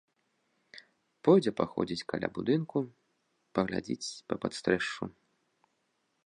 Пойдзе паходзіць каля будынку, паглядзіць па падстрэшшу.